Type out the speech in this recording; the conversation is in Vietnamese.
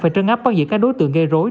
phải trân áp bao nhiêu các đối tượng gây rối